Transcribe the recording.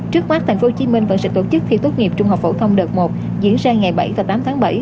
trước mắt tp hồ chí minh vẫn sẽ tổ chức thi tốt nghiệp trung học phổ thông đợt một diễn ra ngày bảy và tám tháng bảy